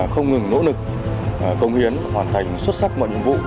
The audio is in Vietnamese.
không ngừng nỗ lực công hiến hoàn thành xuất sắc mọi nhiệm vụ